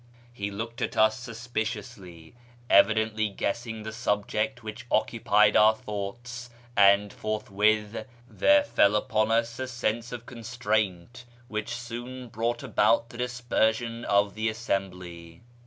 He looked at us suspiciously, evidently guessing the subject which occupied our thoughts, and forthwith there fell upon us a sense of 524 .; YEAR AMONGST THE PERSIANS constraint which soon brouglit ahout the dispersion of ilie assembly.